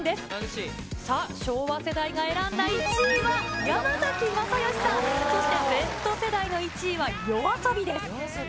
さあ、昭和世代が選んだ１位は、山崎まさよしさん、そして、Ｚ世代の１位は、ＹＯＡＳＯＢＩ